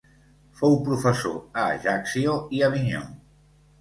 Fou professor a Ajaccio i Avinyó.